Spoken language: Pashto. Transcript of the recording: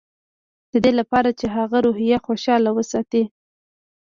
د دې لپاره چې د هغه روحيه خوشحاله وساتي.